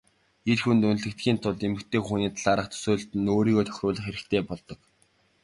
Эр хүнд үнэлэгдэхийн тулд эмэгтэй хүний талаарх төсөөлөлд нь өөрийгөө тохируулах хэрэгтэй болдог.